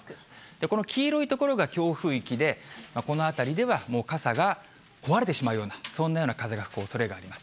この黄色い所が強風域で、この辺りではもう傘が壊れてしまうような、そんなような風が吹くおそれがあります。